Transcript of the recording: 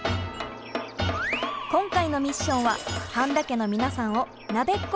今回のミッションは半田家の皆さんをなべっこ